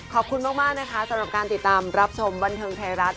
ขอบคุณมากนะคะสำหรับการติดตามรับชมบันเทิงไทยรัฐ